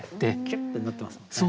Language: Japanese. キュッてなってますもんね。